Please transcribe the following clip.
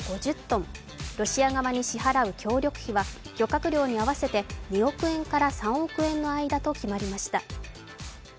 ロシア側に支払う協力費は漁獲量に合わせて２億円から３億円の間と決まりました。